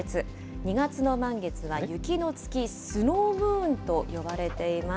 ２月の満月は雪の月・スノームーンと呼ばれています。